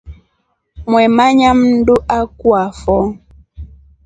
Mwemanya mndu akuafo.